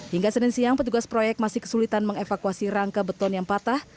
hingga senin siang petugas proyek masih kesulitan mengevakuasi rangka beton yang patah